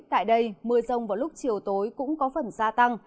tại đây mưa rông vào lúc chiều tối cũng có phần gia tăng